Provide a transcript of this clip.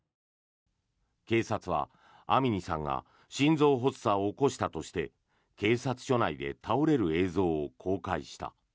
警察は、アミニさんが心臓発作を起こしたとして警察署内で倒れる映像を公開した。